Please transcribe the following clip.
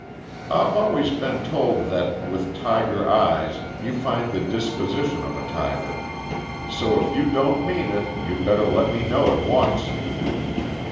"I've always been told that, with tiger eyes, you find the disposition of a tiger. So if you don't mean it, you'd better let me know at once."